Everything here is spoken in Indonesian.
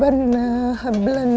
tante aku mau ke rumah tante